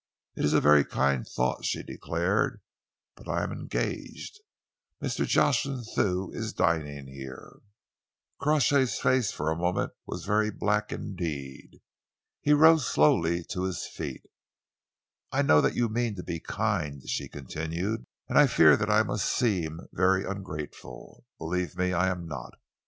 "It is a very kind thought," she declared, "but I am engaged. Mr. Jocelyn Thew is dining here." Crawshay's face for a moment was very black indeed. He rose slowly to his feet. "I know that you mean to be kind," she continued, "and I fear that I must seem very ungrateful. Believe me, I am not.